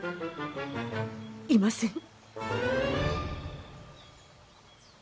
いません。